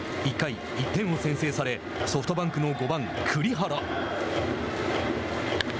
１回、１点を先制されソフトバンクの５番栗原。